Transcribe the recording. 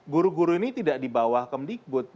guru guru ini tidak di bawah kemdikbud